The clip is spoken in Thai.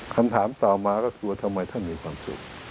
คำถามต่อมาก็คือทำไมท่านมีความสุข